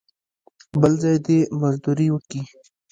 بل ځای دې مزدوري وکي.